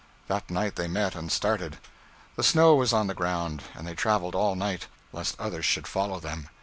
That night they met and started. The snow was on the ground, and they traveled all night, lest others should follow them.